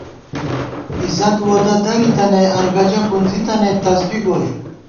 عزت وودہ درِتہ نئ ارگجہ پُنزِی تنَئیت تسبی گوئی